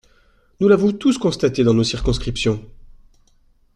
Nous l’avons tous constaté dans nos circonscriptions.